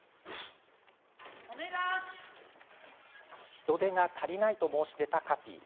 人出が足りないと申し出たカティ。